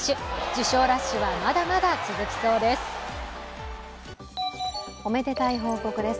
受賞ラッシュはまだまだ続きそうです。